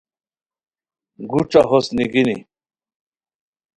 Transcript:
گوݯہ ہوست نیگینی